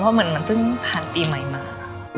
แล้วก็คิดถึงว่ามันเพิ่งผ่านปีใหม่มา